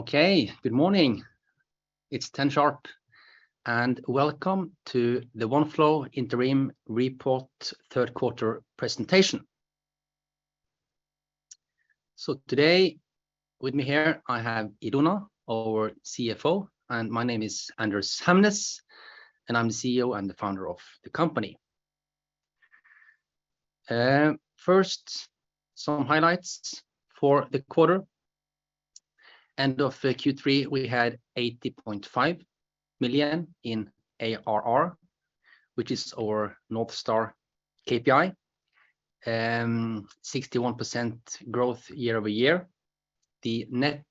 Okay, good morning. It's 10:00 A.M. sharp, and welcome to the Oneflow Interim Report third quarter presentation. Today with me here, I have Ilona Prander, our CFO, and my name is Anders Hamnes, and I'm the CEO and the founder of the company. First, some highlights for the quarter. End of Q3, we had 80.5 million in ARR, which is our North Star KPI, 61% growth year-over-year. The net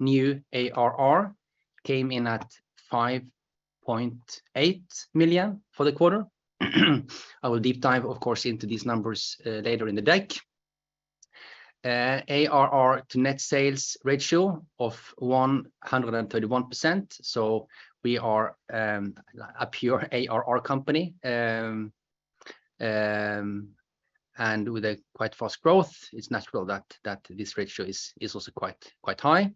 new ARR came in at 5.8 million for the quarter. I will deep dive, of course, into these numbers later in the deck. ARR to net sales ratio of 131%, so we are a pure ARR company. And with a quite fast growth, it's natural that this ratio is also quite high.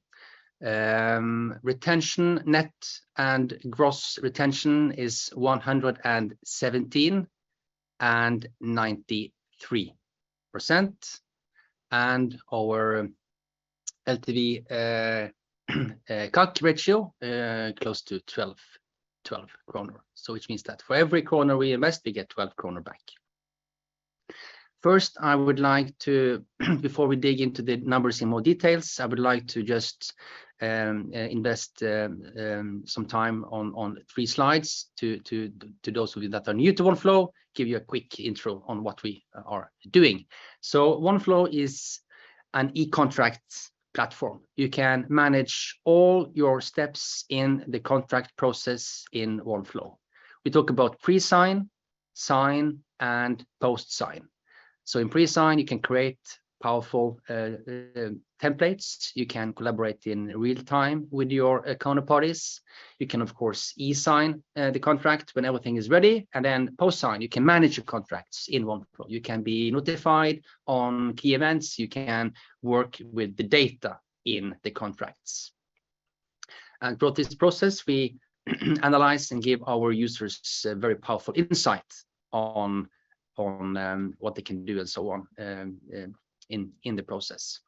Retention, net and gross retention is 117% and 93%. Our LTV, CAC ratio close to 12. Which means that for every SEK we invest, we get 12 kronor back. First, I would like to, before we dig into the numbers in more details, I would like to just invest some time on three slides to those of you that are new to Oneflow, give you a quick intro on what we are doing. Oneflow is an e-contract platform. You can manage all your steps in the contract process in Oneflow. We talk about pre-sign, sign, and post-sign. In pre-sign, you can create powerful templates. You can collaborate in real time with your counterparties. You can, of course, e-sign the contract when everything is ready. Post-sign, you can manage your contracts in Oneflow. You can be notified on key events. You can work with the data in the contracts. Throughout this process, we analyze and give our users very powerful insight on what they can do and so on in the process.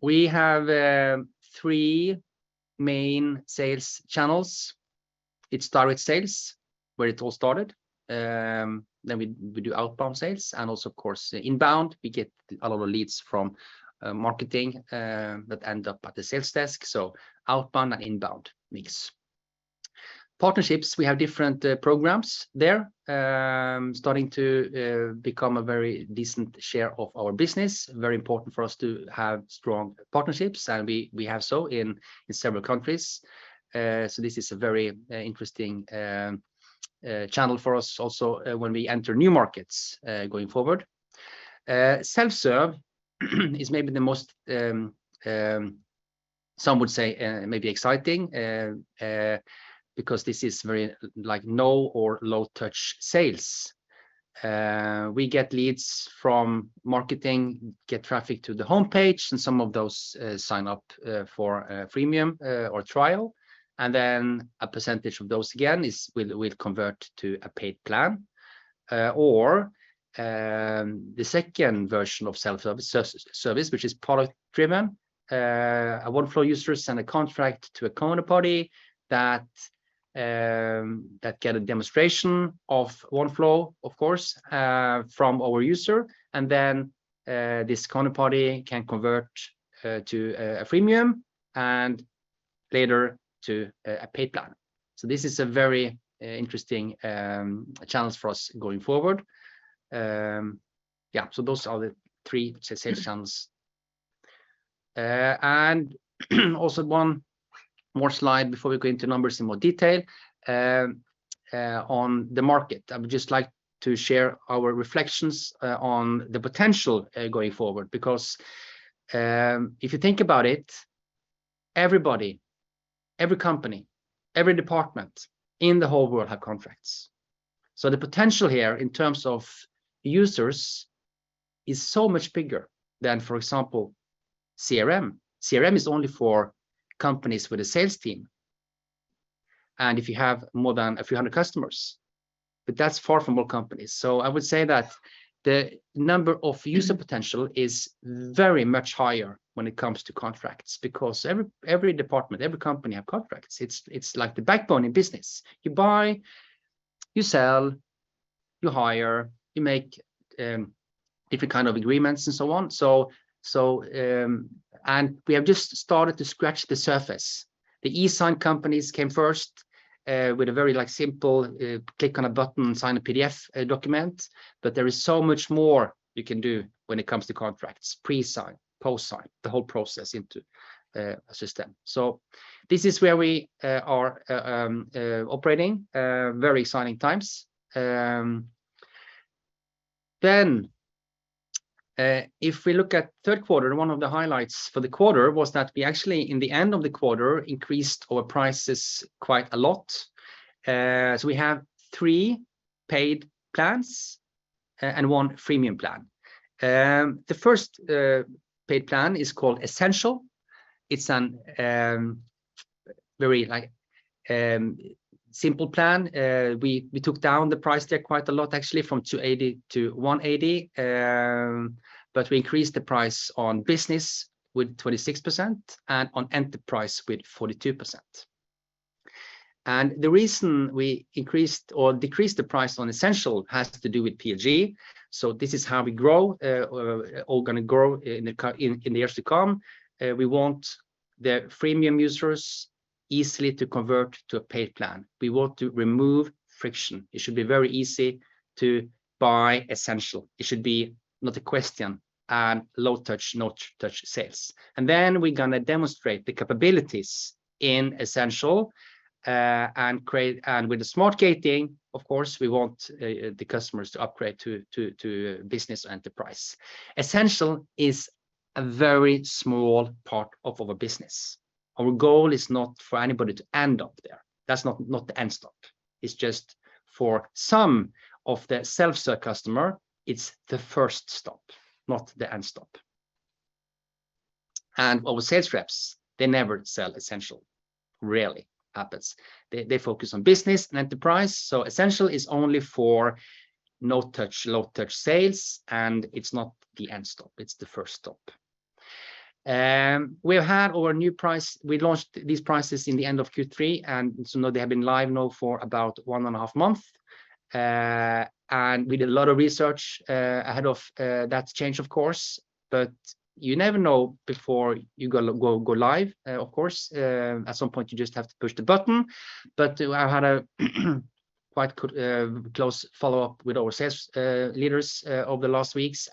We have three main sales channels. It's direct sales, where it all started. We do outbound sales and also of course, inbound. We get a lot of leads from marketing that end up at the sales desk, so outbound and inbound mix. Partnerships, we have different programs there, starting to become a very decent share of our business. Very important for us to have strong partnerships, and we have some in several countries. This is a very interesting channel for us also when we enter new markets going forward. Self-serve is maybe the most some would say maybe exciting because this is very like no or low touch sales. We get leads from marketing, get traffic to the homepage, and some of those sign up for freemium or trial. A percentage of those again will convert to a paid plan or the second version of self-service which is product-driven. A Oneflow user send a contract to a counterparty that get a demonstration of Oneflow, of course, from our user. This counterparty can convert to a freemium and later to a paid plan. This is a very interesting challenge for us going forward. Yeah, those are the three sales channels. Also one more slide before we go into numbers in more detail. On the market, I would just like to share our reflections on the potential going forward. Because if you think about it, everybody, every company, every department in the whole world have contracts. The potential here in terms of users is so much bigger than, for example, CRM. CRM is only for companies with a sales team, and if you have more than a few hundred customers. That's far from all companies. I would say that the number of user potential is very much higher when it comes to contracts, because every department, every company have contracts. It's like the backbone in business. You buy, you sell, you hire, you make different kind of agreements and so on. We have just started to scratch the surface. The e-sign companies came first with a very like simple click on a button, sign a PDF document, but there is so much more you can do when it comes to contracts, pre-sign, post-sign, the whole process into a system. This is where we are operating, very exciting times. If we look at third quarter, one of the highlights for the quarter was that we actually, in the end of the quarter, increased our prices quite a lot. We have three paid plans and one freemium plan. The first paid plan is called Essentials. It's a very like simple plan. We took down the price there quite a lot actually, from 280-180. We increased the price on Business with 26% and on Enterprise with 42%. The reason we increased or decreased the price on Essentials has to do with PLG. This is how we're all going to grow in the coming years to come. We want the freemium users easily to convert to a paid plan. We want to remove friction. It should be very easy to buy Essentials. It should be not a question and low-touch, no-touch sales. We're going to demonstrate the capabilities in Essentials and with the smart gating, of course, we want the customers to upgrade to Business or Enterprise. Essentials is a very small part of our business. Our goal is not for anybody to end up there. That's not the end stop. It's just for some of the self-serve customer, it's the first stop, not the end stop. Our sales reps, they never sell Essentials. Rarely happens. They focus on Business and Enterprise. Essentials is only for no-touch, low-touch sales, and it's not the end stop. It's the first stop. We have had our new price. We launched these prices in the end of Q3, and so now they have been live now for about one and a half month. We did a lot of research ahead of that change of course. You never know before you go live, of course. At some point, you just have to push the button. I had a quite good close follow-up with our sales leaders over the last weeks.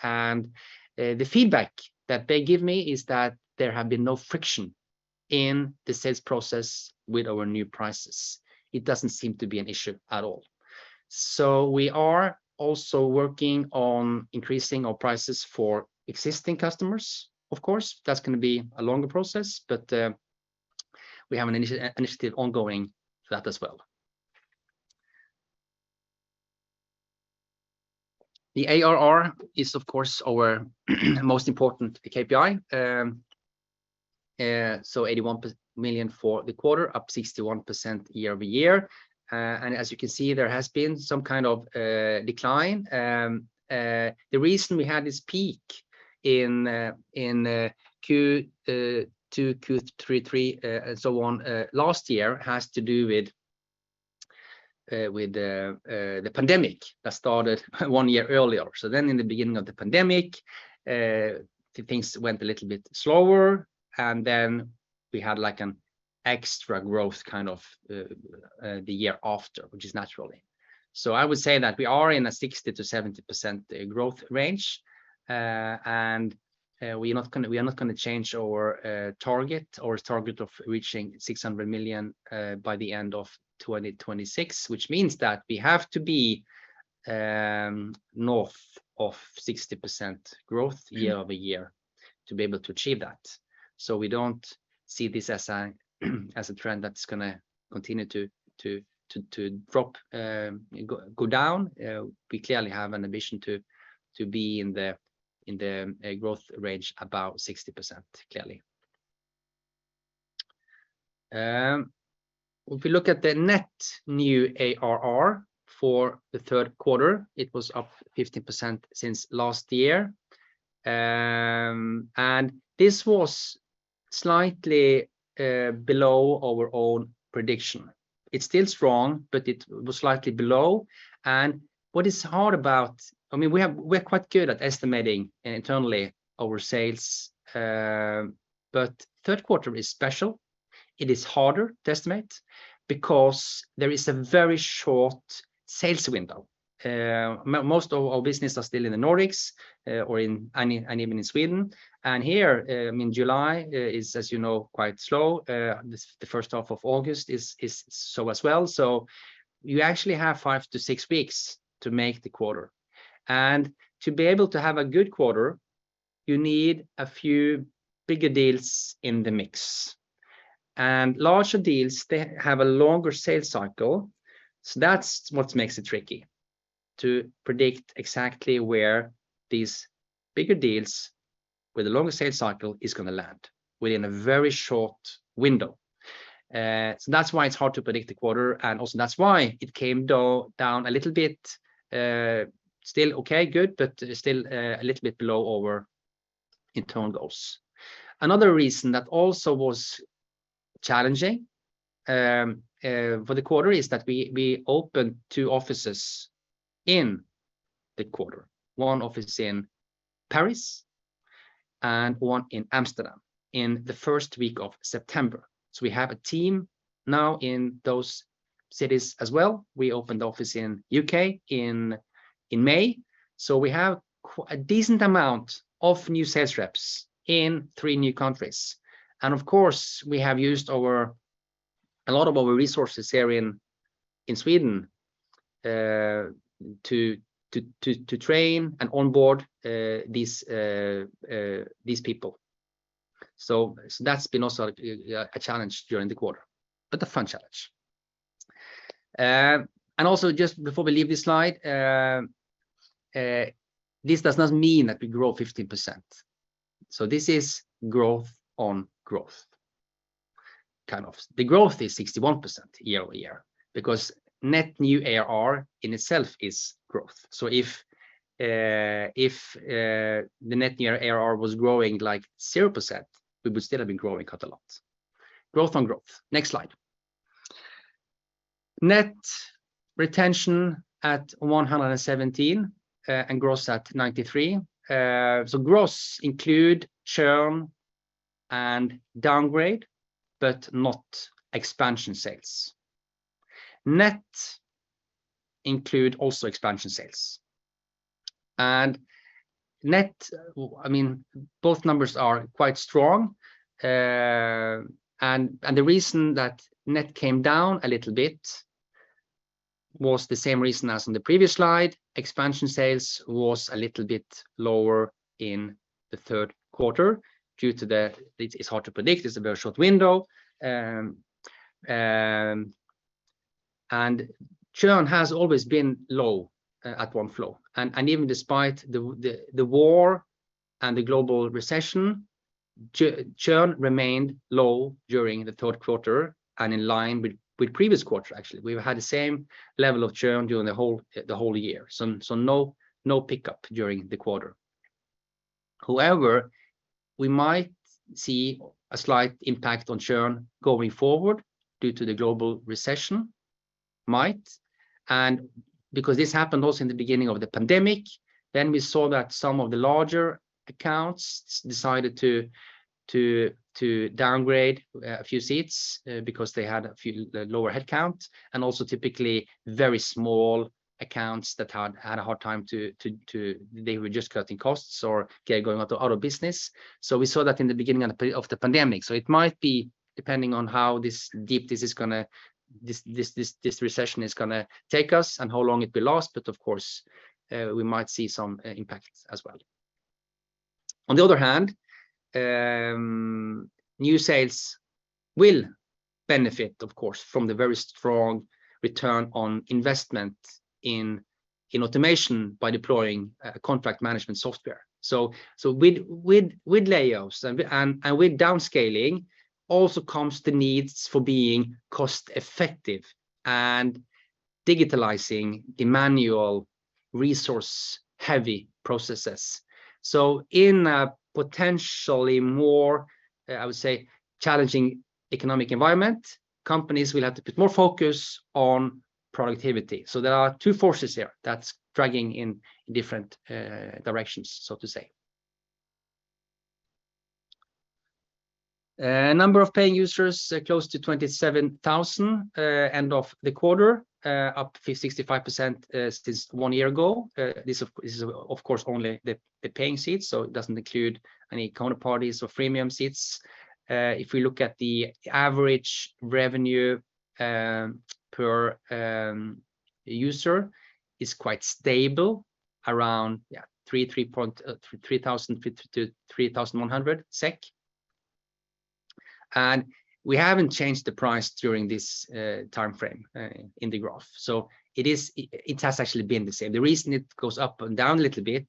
The feedback that they give me is that there have been no friction in the sales process with our new prices. It doesn't seem to be an issue at all. We are also working on increasing our prices for existing customers, of course. That's gonna be a longer process, but we have an initiative ongoing for that as well. The ARR is, of course, our most important KPI. 81 million for the quarter, up 61% year-over-year. As you can see, there has been some kind of decline. The reason we had this peak in Q2, Q3, and so on last year has to do with the pandemic that started one year earlier. In the beginning of the pandemic, things went a little bit slower, and then we had like an extra growth kind of the year after, which is naturally. I would say that we are in a 60%-70% growth range. We're not gonna change our target of reaching 600 million by the end of 2026, which means that we have to be north of 60% growth year-over-year to be able to achieve that. We don't see this as a trend that's gonna continue to go down. We clearly have an ambition to be in the growth range about 60%, clearly. If we look at the net new ARR for the third quarter, it was up 15% since last year. This was slightly below our own prediction. It's still strong, but it was slightly below. What is hard about this? I mean, we're quite good at estimating internally our sales. Third quarter is special. It is harder to estimate because there is a very short sales window. Most of our business are still in the Nordics or even in Sweden. Here, I mean, July is, as you know, quite slow. This, the first half of August is so as well. You actually have 5-6 weeks to make the quarter. To be able to have a good quarter, you need a few bigger deals in the mix. Larger deals, they have a longer sales cycle, so that's what makes it tricky to predict exactly where these bigger deals with a longer sales cycle is gonna land within a very short window. That's why it's hard to predict the quarter, and also that's why it came down a little bit. Still okay, good, but still, a little bit below our internal goals. Another reason that also was challenging for the quarter is that we opened two offices in the quarter, one office in Paris and one in Amsterdam in the first week of September. We have a team now in those cities as well. We opened office in U.K. in May. We have a decent amount of new sales reps in three new countries. Of course, we have used a lot of our resources here in Sweden to train and onboard these people. That's been also a challenge during the quarter, but a fun challenge. And also just before we leave this slide, this does not mean that we grow 15%. This is growth on growth, kind of. The growth is 61% year-over-year because Net New ARR in itself is growth. If the Net New ARR was growing like 0%, we would still have been growing quite a lot. Growth on growth. Next slide. Net retention at 117%, and gross at 93%. Gross include churn and downgrade but not expansion sales. Net include also expansion sales. Well, I mean, both numbers are quite strong. The reason that net came down a little bit was the same reason as on the previous slide. Expansion sales was a little bit lower in the third quarter. It's hard to predict. It's a very short window. Churn has always been low at Oneflow. Even despite the war and the global recession, churn remained low during the third quarter and in line with previous quarter actually. We've had the same level of churn during the whole year. No pickup during the quarter. However, we might see a slight impact on churn going forward due to the global recession. Because this happened also in the beginning of the pandemic, we saw that some of the larger accounts decided to downgrade a few seats, because they had a few lower headcount and also typically very small accounts that had a hard time to they were just cutting costs or going out of business. We saw that in the beginning of the pandemic. It might be depending on how deep this recession is gonna take us and how long it will last, but of course, we might see some impacts as well. On the other hand, new sales will benefit of course from the very strong return on investment in automation by deploying contract management software. With layoffs and with downscaling also comes the needs for being cost-effective and digitalizing the manual resource-heavy processes. In a potentially more I would say challenging economic environment, companies will have to put more focus on productivity. There are two forces here that's dragging in different directions, so to say. Number of paying users close to 27,000 end of the quarter up 65% since one year ago. This is of course only the paying seats, so it doesn't include any counterparties or freemium seats. If we look at the average revenue per user, it's quite stable around 3,000-3,100 SEK SEK. We haven't changed the price during this timeframe in the graph. It has actually been the same. The reason it goes up and down a little bit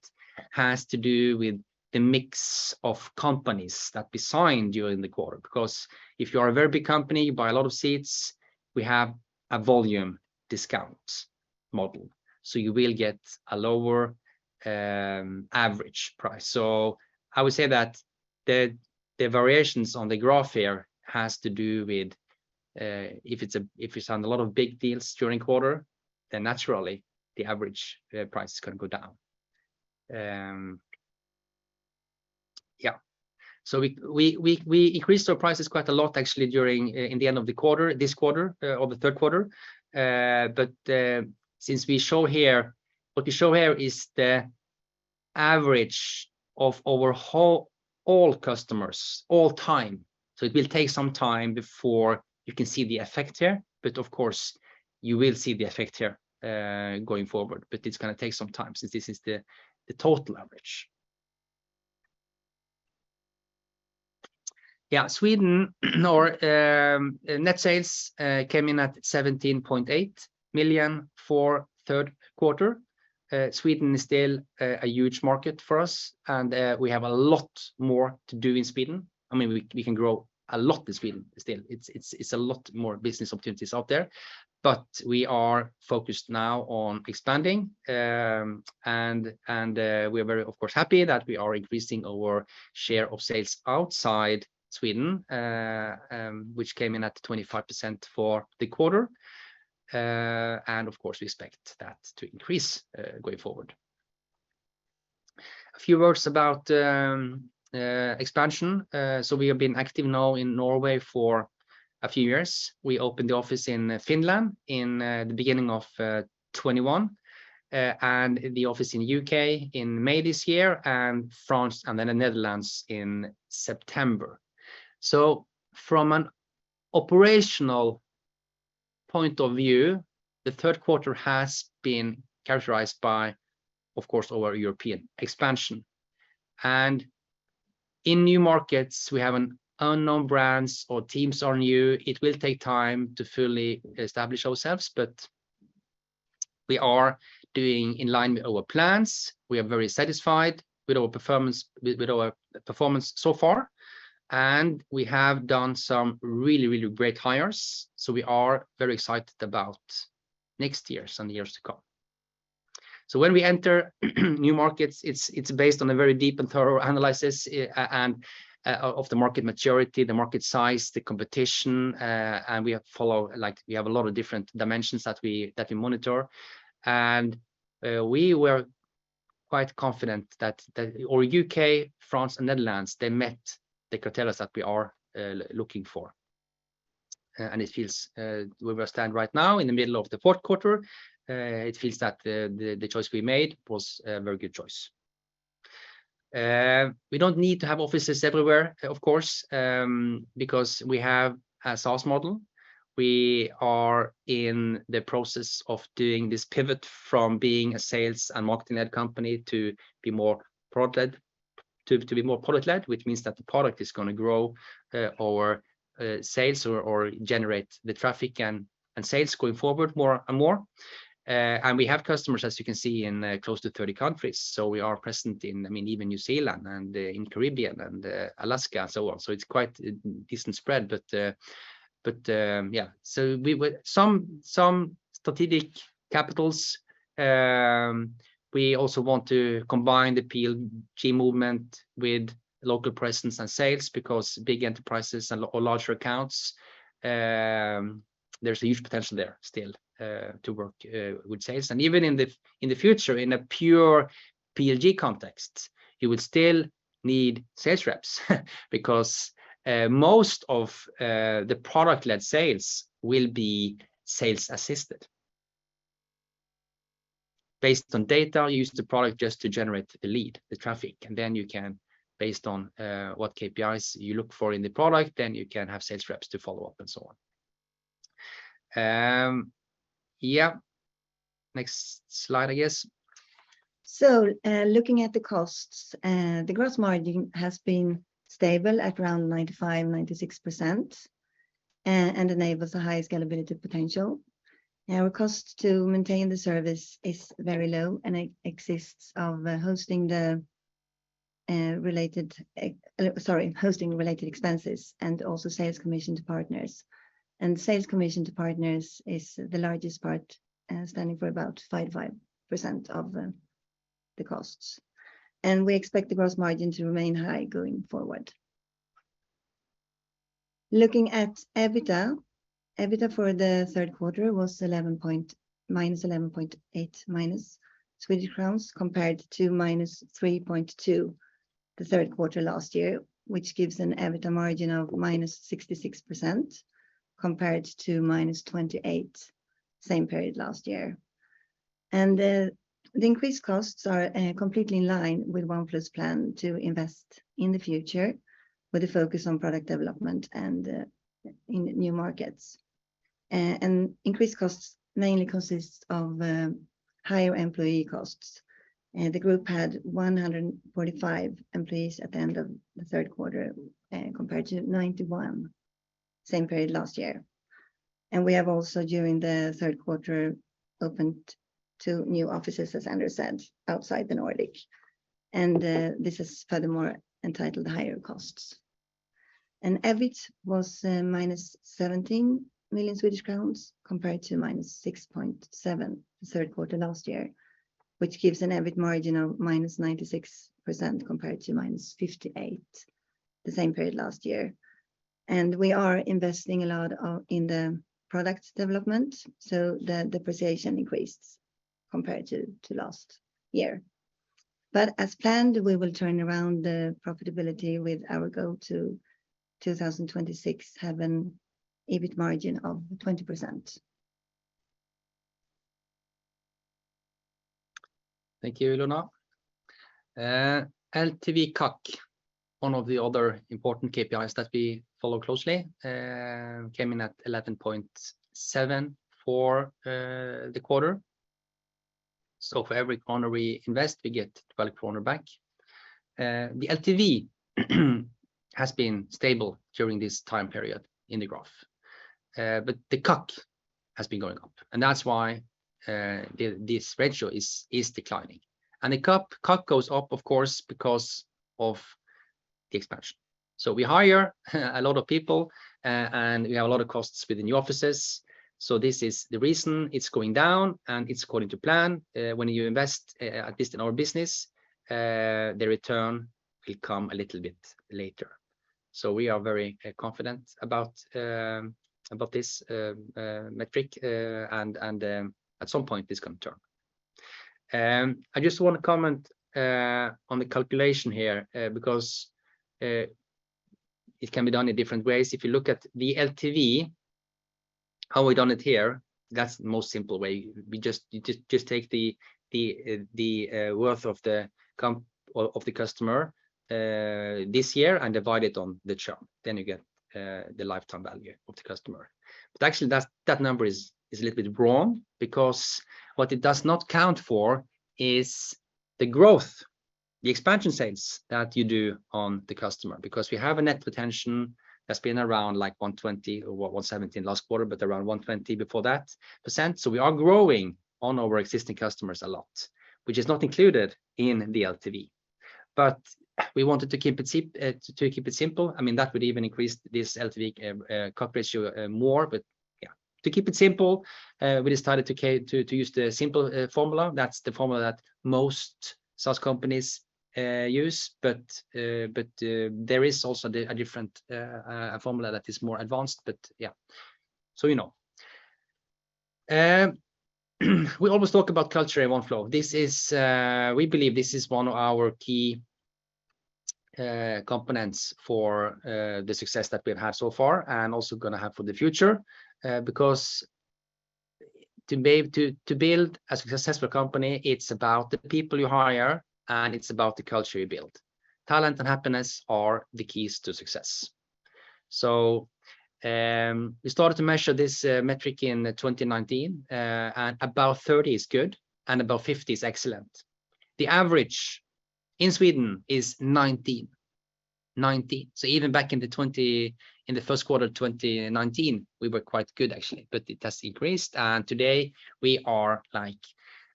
has to do with the mix of companies that we signed during the quarter. Because if you are a very big company, you buy a lot of seats, we have a volume discount model, so you will get a lower average price. I would say that the variations on the graph here has to do with if we signed a lot of big deals during quarter, then naturally the average price is gonna go down. Yeah. We increased our prices quite a lot actually during the end of the quarter, this quarter, or the third quarter. What we show here is the average of all customers all time. It will take some time before you can see the effect here. Of course, you will see the effect here going forward. It's gonna take some time since this is the total average. In Sweden, our net sales came in at 17.8 million for third quarter. Sweden is still a huge market for us and we have a lot more to do in Sweden. I mean, we can grow a lot in Sweden still. It's a lot more business opportunities out there. We are focused now on expanding. We are very of course happy that we are increasing our share of sales outside Sweden, which came in at 25% for the quarter. Of course, we expect that to increase going forward. A few words about expansion. We have been active now in Norway for a few years. We opened the office in Finland in the beginning of 2021, and the office in the U.K. in May this year, and France and then the Netherlands in September. From an operational point of view, the third quarter has been characterized by, of course, our European expansion. In new markets, we have and unknown brands our teams are new. It will take time to fully establish ourselves, but we are doing in line with our plans. We are very satisfied with our performance so far, and we have done some really great hires. We are very excited about next year and years to come. When we enter new markets, it's based on a very deep and thorough analysis and of the market maturity, the market size, the competition, and like we have a lot of different dimensions that we monitor. We were quite confident that our U.K., France, and Netherlands met the criteria that we are looking for. It feels, where we stand right now in the middle of the fourth quarter, it feels that the choice we made was a very good choice. We don't need to have offices everywhere, of course, because we have a sales model. We are in the process of doing this pivot from being a sales and marketing ad company to be more product-led, which means that the product is gonna grow our sales or generate the traffic and sales going forward more and more. We have customers, as you can see, in close to 30 countries. We are present in, I mean, even New Zealand and in Caribbean and Alaska, so on. It's quite a decent spread. Some strategic capitals, we also want to combine the PLG movement with local presence and sales because big enterprises or larger accounts, there's a huge potential there still to work with sales. Even in the future, in a pure PLG context, you would still need sales reps because most of the product-led sales will be sales assisted. Based on data, use the product just to generate the lead, the traffic, and then you can, based on what KPIs you look for in the product, then you can have sales reps to follow up and so on. Yeah. Next slide, I guess. Looking at the costs, the gross margin has been stable at around 95%-96%, and enables a high scalability potential. Our cost to maintain the service is very low and consists of hosting-related expenses and also sales commission to partners. Sales commission to partners is the largest part, standing for about 5% of the costs. We expect the gross margin to remain high going forward. Looking at EBITDA for the third quarter was -11.8 compared to -3.2 the third quarter last year, which gives an EBITDA margin of -66% compared to -28% same period last year. The increased costs are completely in line with Oneflow's plan to invest in the future with a focus on product development and in new markets. Increased costs mainly consists of higher employee costs. The group had 145 employees at the end of the third quarter, compared to 91 same period last year. We have also during the third quarter opened two new offices, as Anders said, outside the Nordic. This is furthermore entails higher costs. And EBIT was -17 million Swedish crowns compared to -6.7 million the third quarter last year, which gives an EBIT margin of -96% compared to -58% the same period last year. We are investing a lot in the product development, so the depreciation increased compared to last year. As planned, we will turn around the profitability with our goal to 2026 have an EBIT margin of 20%. Thank you, Ilona. LTV CAC, one of the other important KPIs that we follow closely, came in at 11.7 for the quarter. For every krona we invest, we get 12 back. The LTV has been stable during this time period in the graph. But the CAC has been going up, and that's why this ratio is declining. The CAC goes up, of course, because of the expansion. We hire a lot of people, and we have a lot of costs with the new offices. This is the reason it's going down, and it's according to plan. When you invest, at least in our business, the return will come a little bit later. We are very confident about this metric, and at some point, this can turn. I just wanna comment on the calculation here, because it can be done in different ways. If you look at the LTV, how we done it here. That's the most simple way. You just take the worth of the customer this year and divide it on the term, then you get the lifetime value of the customer. Actually, that number is a little bit wrong because what it does not count for is the growth, the expansion sales that you do on the customer. Because we have a net retention that's been around like 120% or 117% last quarter, but around 120% before that, so we are growing on our existing customers a lot, which is not included in the LTV. We wanted to keep it simple. I mean, that would even increase this LTV, CAC ratio more. Yeah, to keep it simple, we decided to use the simple formula. That's the formula that most SaaS companies use. There is also a different formula that is more advanced, yeah. You know. We always talk about culture in Oneflow. We believe this is one of our key components for the success that we've had so far and also gonna have for the future. Because to be able to build a successful company, it's about the people you hire, and it's about the culture you build. Talent and happiness are the keys to success. We started to measure this metric in 2019, and above 30 is good and above 50 is excellent. The average in Sweden is 19. Even back in the first quarter of 2019, we were quite good, actually. It has increased, and today we are, like,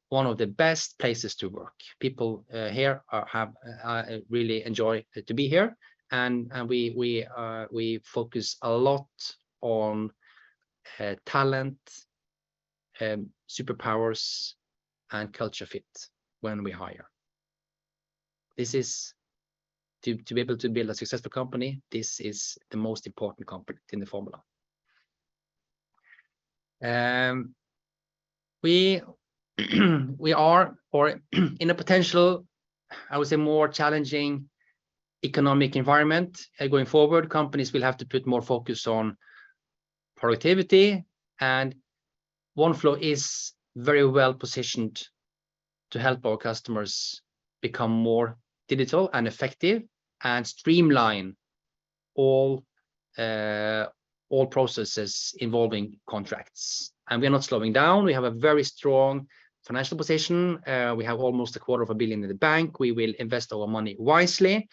one of the best places to work. People here have really enjoyed being here and we focus a lot on talent, superpowers, and culture fit when we hire. To be able to build a successful company, this is the most important component in the formula. We're in a potential, I would say, more challenging economic environment. Going forward, companies will have to put more focus on productivity, and Oneflow is very well-positioned to help our customers become more digital and effective and streamline all processes involving contracts. We're not slowing down. We have a very strong financial position. We have almost a quarter of a billion SEK in the bank. We will invest our money wisely.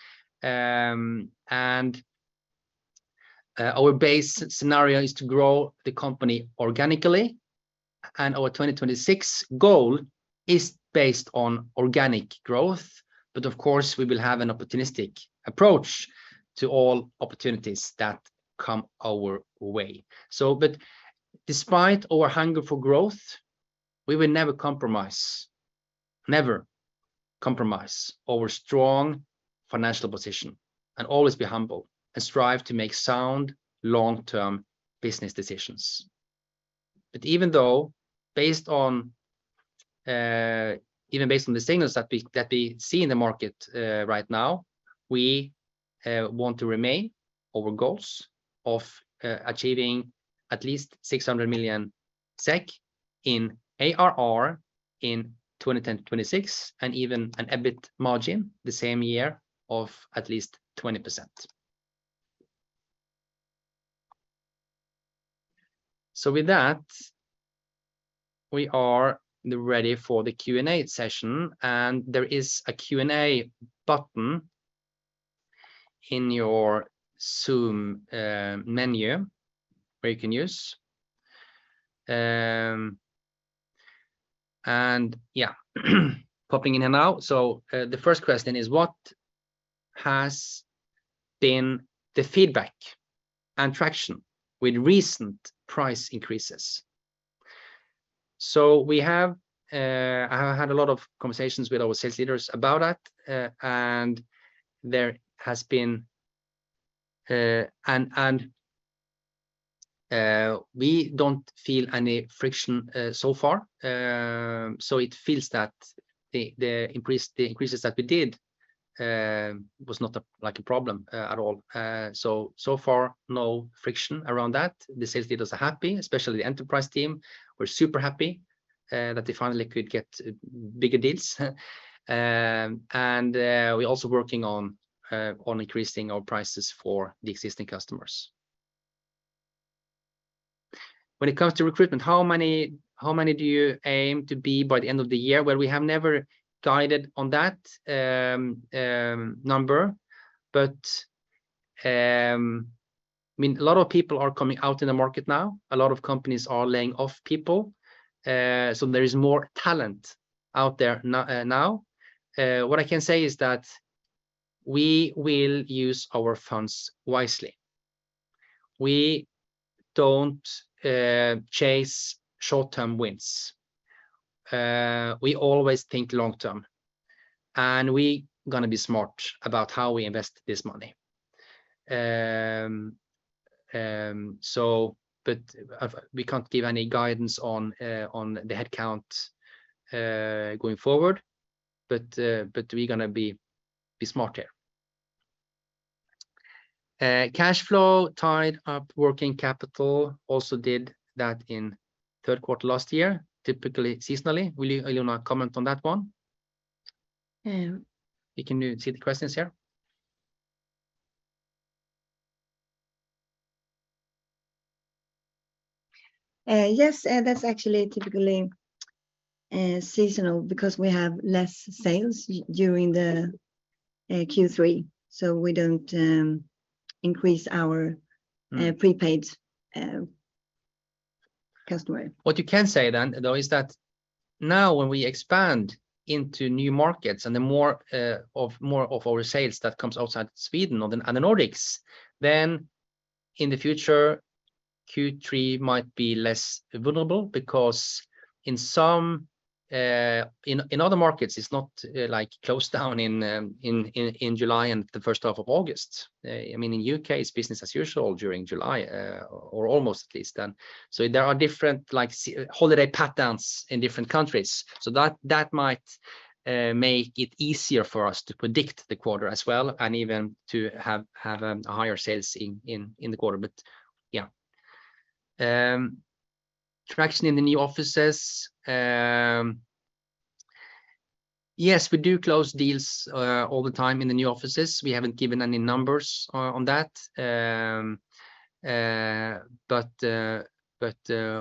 Our base scenario is to grow the company organically, and our 2026 goal is based on organic growth. Of course, we will have an opportunistic approach to all opportunities that come our way. Despite our hunger for growth, we will never compromise our strong financial position and always be humble and strive to make sound long-term business decisions. Even though based on the signals that we see in the market right now, we want to reaffirm our goals of achieving at least 600 million SEK in ARR in 2025-2026 and even an EBIT margin the same year of at least 20%. With that, we are ready for the Q&A session. There is a Q&A button in your Zoom menu where you can use. Yeah, popping in and out. The first question is, "What has been the feedback and traction with recent price increases?" I have had a lot of conversations with our sales leaders about that. There has been. We don't feel any friction so far. It feels that the increases that we did was not, like, a problem at all. So far, no friction around that. The sales leaders are happy, especially the enterprise team were super happy that they finally could get bigger deals. We're also working on increasing our prices for the existing customers. When it comes to recruitment, how many do you aim to be by the end of the year?" Well, we have never guided on that number, but I mean, a lot of people are coming out in the market now. A lot of companies are laying off people, so there is more talent out there now. What I can say is that we will use our funds wisely. We don't chase short-term wins. We always think long-term, and we gonna be smart about how we invest this money. We can't give any guidance on the headcount going forward, but we're gonna be smart here. Cash flow tied up in working capital also did that in third quarter last year, typically seasonally. Will you, Ilona, comment on that one? You can see the questions here. Yes. That's actually typically seasonal because we have less sales during the Q3, so we don't increase our prepaid customer. What you can say then though is that now when we expand into new markets and the more of our sales that comes outside Sweden and the Nordics, then in the future, Q3 might be less vulnerable because in some other markets, it's not like closed down in July and the first half of August. I mean, in U.K. it's business as usual during July or almost at least. There are different like seasonal holiday patterns in different countries. That might make it easier for us to predict the quarter as well, and even to have a higher sales in the quarter. Yeah. Traction in the new offices. Yes, we do close deals all the time in the new offices. We haven't given any numbers on that. But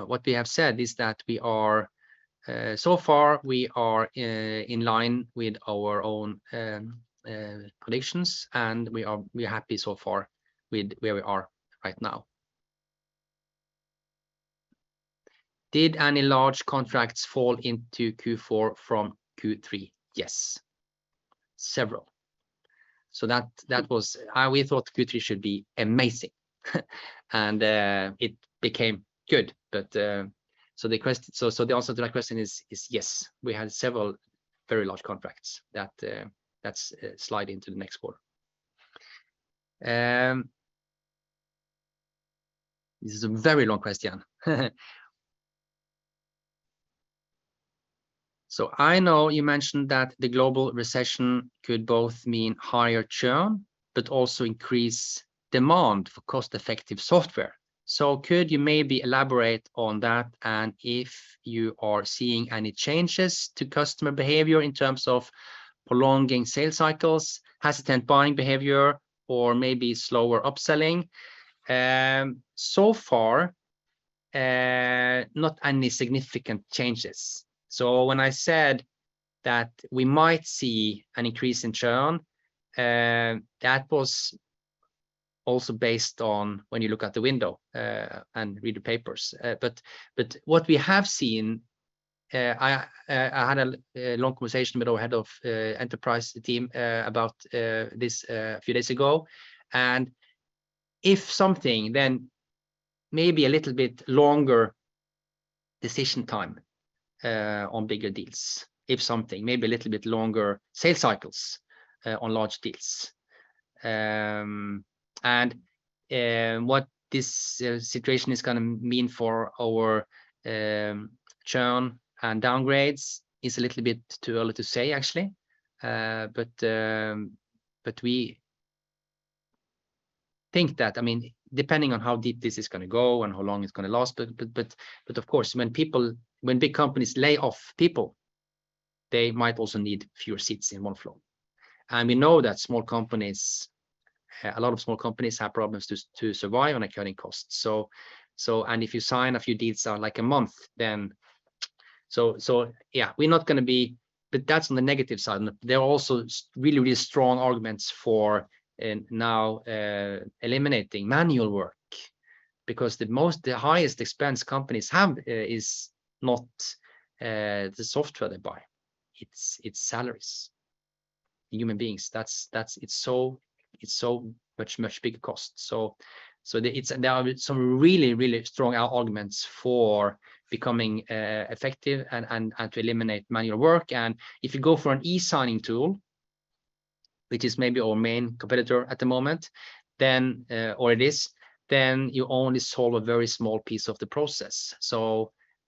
what we have said is that we are so far in line with our own predictions, and we're happy so far with where we are right now. Did any large contracts fall into Q4 from Q3? Yes. Several. We thought Q3 should be amazing, and it became good. The answer to that question is yes. We had several very large contracts that slide into the next quarter. This is a very long question. "So I know you mentioned that the global recession could both mean higher churn but also increase demand for cost-effective software. Could you maybe elaborate on that and if you are seeing any changes to customer behavior in terms of prolonging sales cycles, hesitant buying behavior, or maybe slower upselling? So far, not any significant changes. When I said that we might see an increase in churn, that was also based on when you look out the window and read the papers. What we have seen, I had a long conversation with our head of enterprise team about a few days ago, and if anything then maybe a little bit longer decision time on bigger deals. If anything, maybe a little bit longer sales cycles on large deals. What this situation is gonna mean for our churn and downgrades is a little bit too early to say actually. We think that I mean, depending on how deep this is gonna go and how long it's gonna last, of course when big companies lay off people, they might also need fewer seats in Oneflow. We know that a lot of small companies have problems to survive on accounting costs. If you sign a few deals like a month, then yeah. That's on the negative side. There are also really, really strong arguments for now eliminating manual work because the highest expense companies have is not the software they buy. It's salaries. Human beings. That's it. It's so much bigger cost. There are some really strong arguments for becoming effective and to eliminate manual work. If you go for an e-signing tool, which is maybe our main competitor at the moment, or it is, then you only solve a very small piece of the process.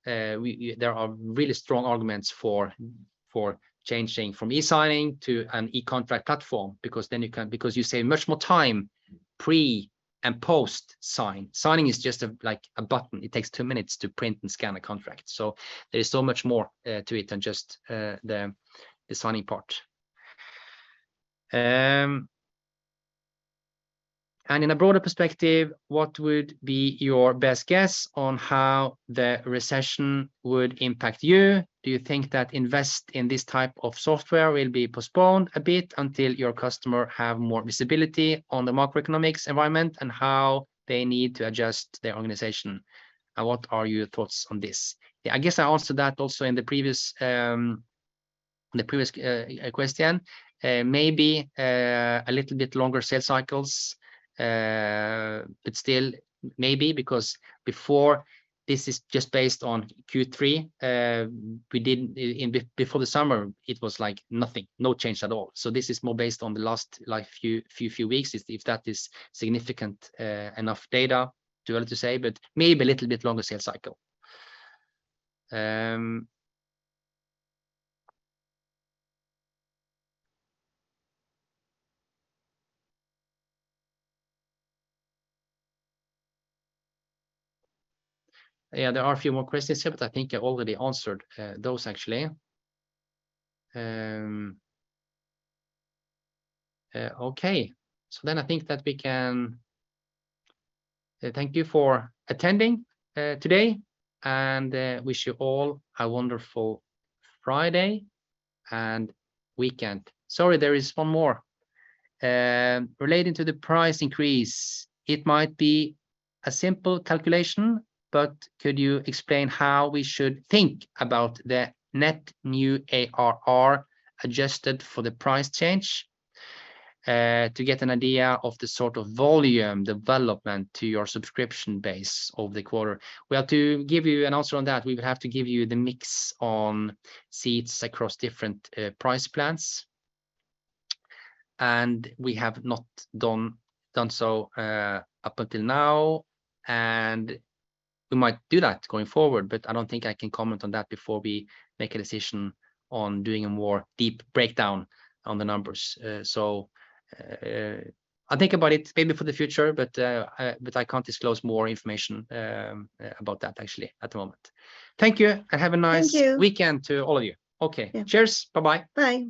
There are really strong arguments for changing from e-signing to an e-contract platform because then you can because you save much more time pre- and post-sign. Signing is just like a button. It takes two minutes to print and scan a contract. There is so much more to it than just the signing part. In a broader perspective, what would be your best guess on how the recession would impact you? Do you think that invest in this type of software will be postponed a bit until your customer have more visibility on the macroeconomics environment and how they need to adjust their organization? What are your thoughts on this?" Yeah, I guess I answered that also in the previous question. Maybe a little bit longer sales cycles. Still maybe because before this is just based on Q3, before the summer it was like nothing, no change at all. This is more based on the last, like few weeks, if that is significant enough data. Too early to say, but maybe a little bit longer sales cycle. Yeah, there are a few more questions here, but I think I already answered those actually. Okay. I think that we can thank you for attending today and wish you all a wonderful Friday and weekend. Sorry, there is one more. "Relating to the price increase, it might be a simple calculation, but could you explain how we should think about the Net New ARR adjusted for the price change, to get an idea of the sort of volume development to your subscription base of the quarter?" Well, to give you an answer on that, we would have to give you the mix on seats across different price plans. We have not done so up until now, and we might do that going forward, but I don't think I can comment on that before we make a decision on doing a more deep breakdown on the numbers. I'll think about it maybe for the future, but I can't disclose more information about that actually at the moment. Thank you. Thank you. Have a nice weekend to all of you. Okay. Yeah. Cheers. Bye-bye. Bye.